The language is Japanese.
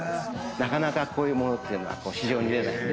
なかなかこういう物というのは市場に出ないので。